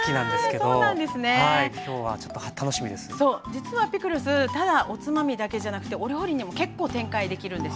実はピクルスただおつまみだけじゃなくてお料理にも結構展開できるんです。